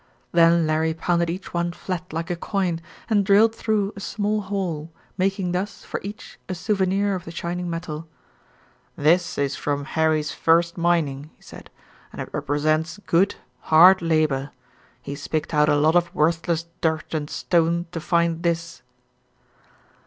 Then Larry pounded each one flat like a coin, and drilled through a small hole, making thus, for each, a souvenir of the shining metal. "This is from Harry's first mining," he said, "and it represents good, hard labor. He's picked out a lot of worthless dirt and stone to find this."